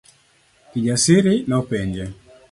Kijasiri nopenje.